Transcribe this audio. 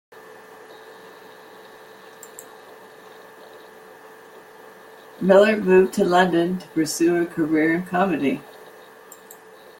Miller moved to London to pursue a career in comedy.